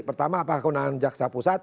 pertama apakah kewenangan jaksa pusat